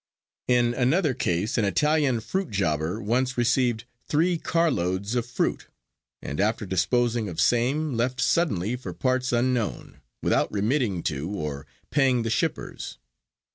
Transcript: In another case an Italian fruit jobber once received three carloads of fruit, and after disposing of same left suddenly for parts unknown, without remitting to, or paying the shippers.